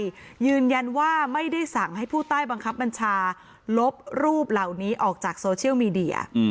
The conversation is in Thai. ยืนยันว่าไม่ได้สั่งให้ผู้ใต้บังคับบัญชาลบรูปเหล่านี้ออกจากโซเชียลมีเดีย